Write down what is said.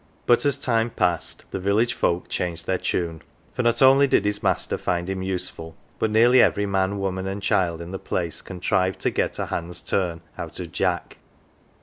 But as time passed the village folk changed their tune, for not only did his master find him useful, but nearly every man, woman, and child in the place contrived to get " a hand's turn " out of Jack.